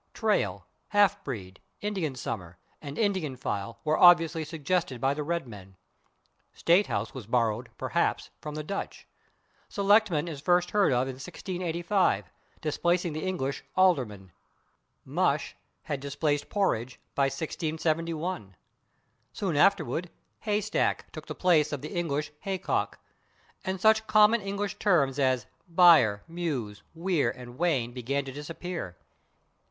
/Trail/, /half breed/, /Indian summer/ and [Pg047] /Indian file/ were obviously suggested by the Red Men. /State house/ was borrowed, perhaps, from the Dutch. /Selectman/ is first heard of in 1685, displacing the English /alderman/. /Mush/ had displaced /porridge/ by 1671. Soon afterward /hay stack/ took the place of the English /hay cock/, and such common English terms as /byre/, /mews/, /weir/, and /wain/ began to disappear.